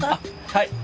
はい。